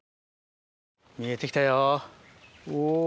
見えてきたよ。